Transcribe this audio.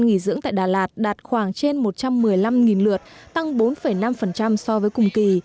nghỉ dưỡng tại đà lạt đạt khoảng trên một trăm một mươi năm lượt tăng bốn năm so với cùng kỳ